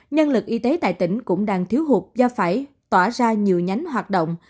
nhân lực y tế tại tỉnh cũng đang thiếu hụt do phải tỏa ra nhiều nhánh hoạt động